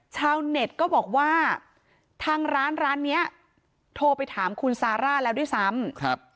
ชาวเน็ตก็บอกว่าทางร้านร้านเนี้ยโทรไปถามคุณซาร่าแล้วด้วยซ้ำครับ